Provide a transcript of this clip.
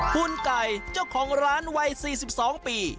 คุณไก่เจ้าของร้านวัย๔๒ปี